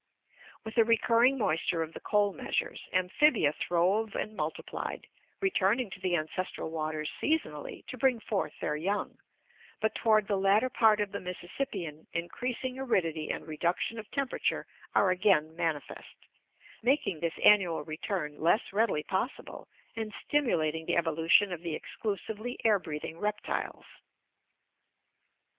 With the recurring moisture of the Coal Measures, amphibia throve and multiplied, returning to the ancestral waters seasonally to bring forth their young, but toward the latter part of the Missis sippian increasing aridity and reduction of temperature are again manifest, making this annual return less readily possible and stimulating the evolution of the exclusively air breathing reptiles.